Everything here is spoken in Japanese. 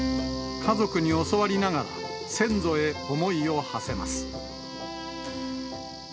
家族に教わりながら、先祖へ思いをはせます。